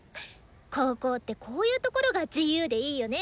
高校ってこういうところが自由でいいよね。